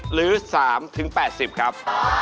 หรือ๓๘๐ครับ